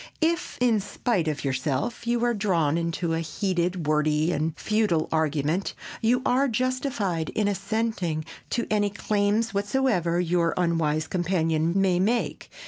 If, in spite of yourself, you are drawn into a heated, wordy and futile argument, you are justified in assenting to any claims whatsoever your unwise companion may make.